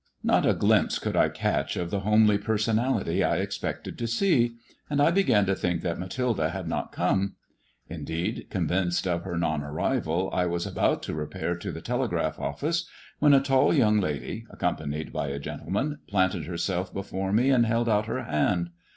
Not a glimpse could I catch of the homely personality I > expected to see, and I began to think that Mathilde had not come. Indeed, convinced of her non arrival, I was about to repair to the telegraph office, when a tall young lady, accompanied by a gentleman, planted herself before me, and held out her hand.